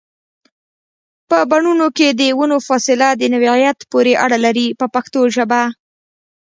په بڼونو کې د ونو فاصله د نوعیت پورې اړه لري په پښتو ژبه.